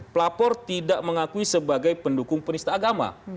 pelapor tidak mengakui sebagai pendukung penista agama